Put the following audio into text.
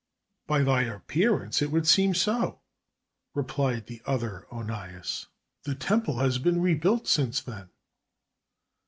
"By thy appearance, it would seem so," replied the other Onias. "The Temple has been rebuilt since then."